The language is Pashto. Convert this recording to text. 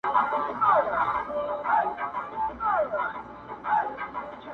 ما چي ورلېږلی وې رویباره جانان څه ویل!